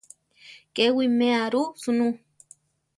Ke wiméa ru sunú.